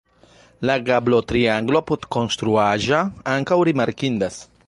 La gablotrianglo apudkonstruaĵa ankaŭ rimarkindas.